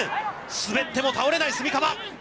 滑っても倒れない炭竈。